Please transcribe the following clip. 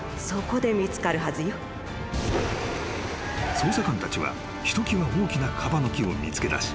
［捜査官たちはひときわ大きなカバノキを見つけだし